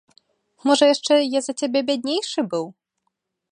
Можа яшчэ я за цябе бяднейшы быў!